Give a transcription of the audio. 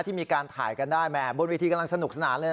ที่มีการถ่ายกันได้แม่บนเวทีกำลังสนุกสนานเลยนะ